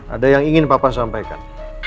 ada yang ingin papa sampaikan